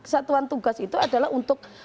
satuan tugas itu adalah untuk